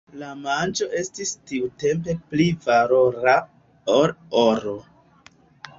La manĝo estis tiutempe pli valora ol oro.